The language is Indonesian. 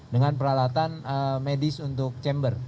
dengan peralatan medis untuk chamber